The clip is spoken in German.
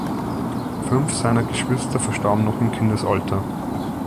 Fünf seiner Geschwister verstarben noch im Kindesalter.